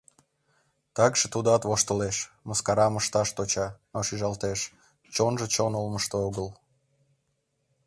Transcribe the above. Такше тудат воштылеш, мыскарам ышташ тӧча, но шижалтеш: чонжо чон олмышто огыл.